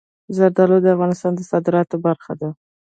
زردالو د افغانستان د صادراتو برخه ده.